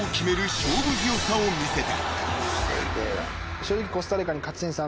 勝負強さを見せた］